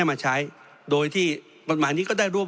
เพราะฉะนั้นโทษเหล่านี้มีทั้งสิ่งที่ผิดกฎหมายใหญ่นะครับ